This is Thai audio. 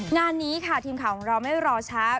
งานนี้ค่ะทีมข่าวของเราไม่รอช้า